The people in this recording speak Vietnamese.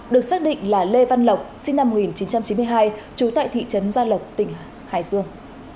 được xác định là lê văn lộc sinh năm một nghìn chín trăm chín mươi hai trú tại thị trấn gia lộc tỉnh hải dương